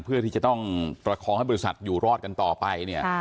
เพื่อที่จะต้องประคองให้บริษัทอยู่รอดกันต่อไปเนี่ย